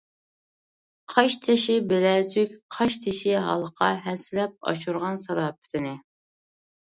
قاشتېشى بىلەزۈك، قاشتېشى ھالقا، ھەسسىلەپ ئاشۇرغان سالاپىتىنى.